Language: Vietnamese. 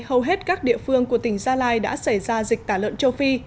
hầu hết các địa phương của tỉnh gia lai đã xảy ra dịch tả lợn châu phi